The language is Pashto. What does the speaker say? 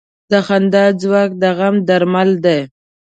د خندا ځواک د غم درمل دی.